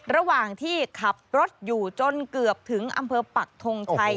ระหว่างที่ขับรถอยู่จนเกือบถึงอำเภอปักทงชัย